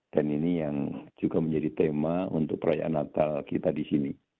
dan ini yang juga menjadi tema untuk perayaan natal kita di sini